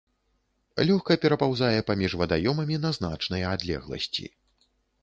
Лёгка перапаўзае паміж вадаёмамі на значныя адлегласці.